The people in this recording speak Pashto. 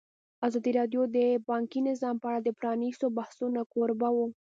ازادي راډیو د بانکي نظام په اړه د پرانیستو بحثونو کوربه وه.